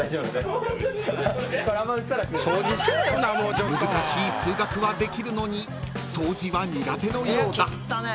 ［難しい数学はできるのに掃除は苦手のようだ］